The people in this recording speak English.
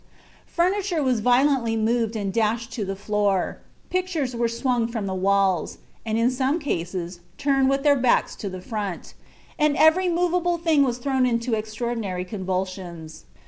Furniture was violently moved and dashed to the floor; pictures were swung from the walls, and in some cases turned with their backs to the front, and every movable thing was thrown into extraordinary convulsions.